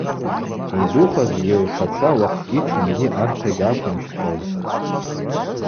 Йдухаз йыгӏвпачва уахъгьи тшынгьи архъа йыгьгӏаквимщтуазтӏ.